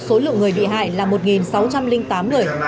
số lượng người bị hại là một sáu trăm linh tám người